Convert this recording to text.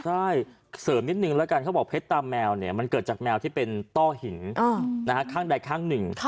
ใช่เสริมนิดนึงแล้วกันเขาบอกเพชรตามแมวเนี่ยมันเกิดจากแมวที่เป็นต้อหินข้างใดข้างหนึ่ง